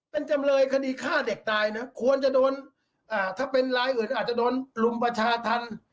เป็นจำเลยคดีฆ่าเด็กตายนะควรจะโดนถ้าเป็นรายอื่นก็อาจจะโดนรุมประชาธรรม